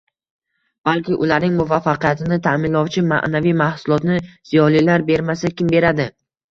balki ularning muvaffaqiyatini ta’minlovchi, ma’naviy “mahsulotni” ziyolilar bermasa kim beradi?